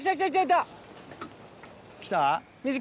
来た？